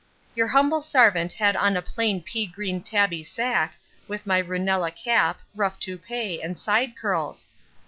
Your humble sarvant had on a plain pea green tabby sack, with my Runnela cap, ruff toupee, and side curls.